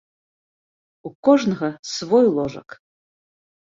У кожнага свой ложак.